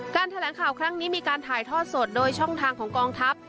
แถลงข่าวครั้งนี้มีการถ่ายทอดสดโดยช่องทางของกองทัพ